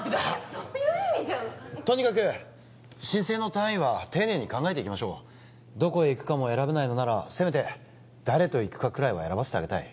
そういう意味じゃとにかく申請の単位は丁寧に考えていきましょうどこへ行くかも選べないのならせめて誰と行くかくらいは選ばせてあげたい